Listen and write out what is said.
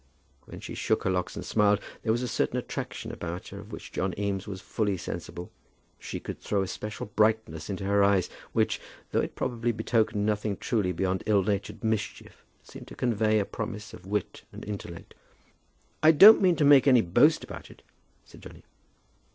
When she shook her locks and smiled, there was a certain attraction about her of which John Eames was fully sensible. She could throw a special brightness into her eyes, which, though it probably betokened nothing truly beyond ill natured mischief, seemed to convey a promise of wit and intellect. "I don't mean to make any boast about it," said Johnny.